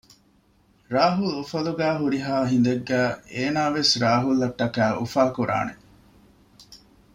ރާހުލް އުފަލުގައި ހުރިހާ ހިނދެއްގައި އޭނާވެސް ރާހުލްއަށްޓަކާ އުފާކުރާނެ